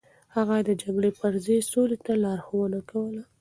هغه د جګړې پر ځای سولې ته لارښوونه کوله.